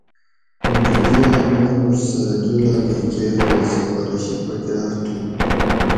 مُوٹُو دِیاۤل ماۤنوڄ سہۤ جولاگیں کیر پا سِفارشی پکاۤر تھُو